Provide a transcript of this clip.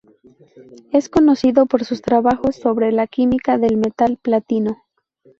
Es conocido por sus trabajos sobre la química del metal platino.